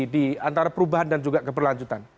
di antara perubahan dan juga keberlanjutan